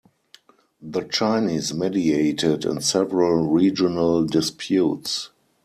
The Chinese mediated in several regional disputes.